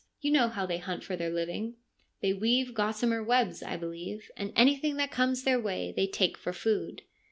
You know how they hunt for their living. They weave gossamer webs, I believe, and anything that comes their way they take for food.'